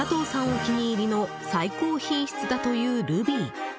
お気に入りの最高品質だというルビー。